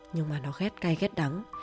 nhưng mà nó ghét cay ghét đắng